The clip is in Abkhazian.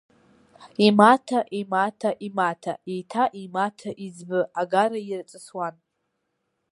Имаҭа, имаҭа, имаҭа, еиҭа имаҭа еиҵбы агара ирҵысуан.